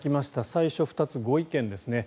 最初、２つ、ご意見ですね。